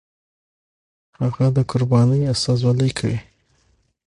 هغه د قربانۍ استازولي کوي.